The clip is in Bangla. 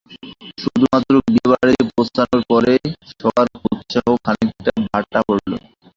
শুধুমাত্র বিয়েবাড়িতে পৌঁছানোর পরই সবার উৎসাহে খানিকটা ভাটা পড়ল।